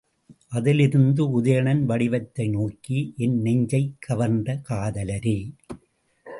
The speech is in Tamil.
அதிலிருந்த உதயணன் வடிவத்தை நோக்கி, என் நெஞ்சைக் கவர்ந்த காதலரே!